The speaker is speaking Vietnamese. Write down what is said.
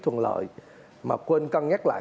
thuận lợi mà quên cân nhắc lại